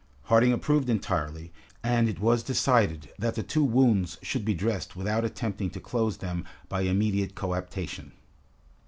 Harding approved entirely, and it was decided that the two wounds should be dressed without attempting to close them by immediate coaptation.